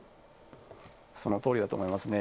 そのとおりだと思いますね。